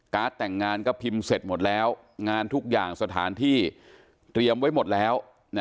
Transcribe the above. แต่งงานก็พิมพ์เสร็จหมดแล้วงานทุกอย่างสถานที่เตรียมไว้หมดแล้ว